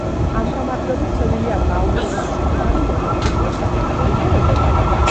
ამ გამარჯვებით „სევილიამ“ გააუმჯობესა საკუთარი რეკორდი, მესამედ მოიგო ევროპა ლიგა.